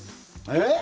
えっ？